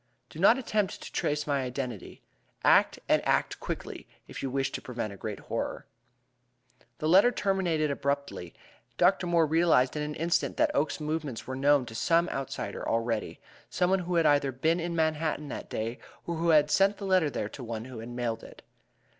"Do not attempt to trace my identity. Act, and act quickly, if you wish to prevent a great horror." The letter terminated abruptly. Dr. Moore realized in an instant that Oakes's movements were known to some outsider already someone who had either been in Manhattan that day, or who had sent the letter there to one who had mailed it.